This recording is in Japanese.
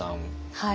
はい。